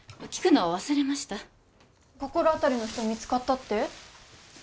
聞くのを忘れました心当たりの人見つかったって？